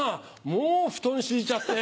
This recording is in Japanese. もう布団敷いちゃって。